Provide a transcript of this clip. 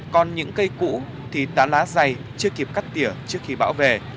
còn những cây cũ thì tán lá dày chưa kịp cắt tỉa trước khi bão về